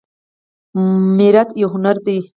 میریت یو هنر دی